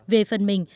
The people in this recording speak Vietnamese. về phần mình